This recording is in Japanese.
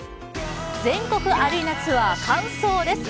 全国アリーナツアー、完走です。